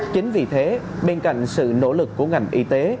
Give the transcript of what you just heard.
chính vì thế bên cạnh sự nỗ lực của ngành y tế